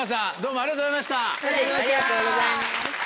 ありがとうございます。